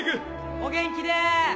お元気で！